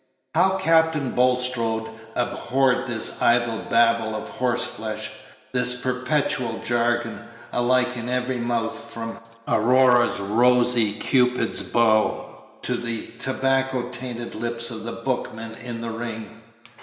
How Captain Bulstrode abhorred this idle babble of horse flesh, this perpetual jargon, alike in every mouth, from Aurora's rosy Cupid's bow to the tobacco tainted lips of the bookmen in the ring!